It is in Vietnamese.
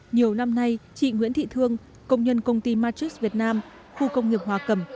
nhiều năm nay chị nguyễn thị thương công nhân công ty matrix việt nam khu công nghiệp hòa cầm